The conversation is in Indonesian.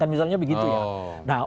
misalnya begitu ya